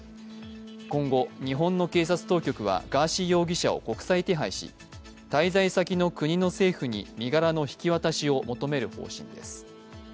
今後、日本の警察当局はガーシー容疑者を国際手配し、滞在先の国の政府に身柄の引き渡しを求める方針です。